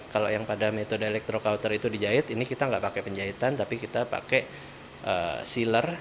kalau yang pada metode electrocauter itu dijahit ini kita nggak pakai penjahitan tapi kita pakai sealer